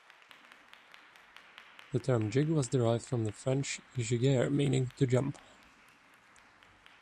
The term jig was derived from the French 'giguer', meaning 'to jump'.